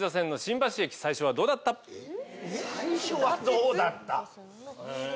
「最初はどうだった」？